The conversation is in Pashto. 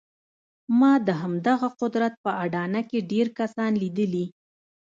ما د همدغه قدرت په اډانه کې ډېر کسان ليدلي.